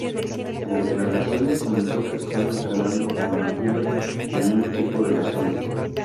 En declaraciones, comentó que estuvo entrenando en Vancouver con un equipo de la zona.